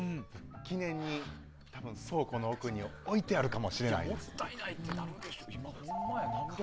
記念に倉庫の奥においてあるかもね。